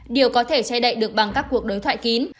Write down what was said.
điều có thể che đậy được bằng các cuộc đối thoại kín